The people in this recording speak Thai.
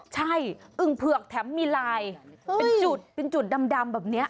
ใช่อึ่งเผือกแถมมีลายเป็นจุดเป็นจุดดำแบบนี้